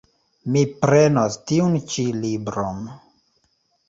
Mi prenos tiun ĉi libron.